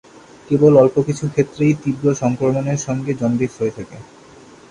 কেবল অল্প কিছু ক্ষেত্রেই তীব্র সংক্রমণের সঙ্গে জন্ডিস হয়ে থাকে।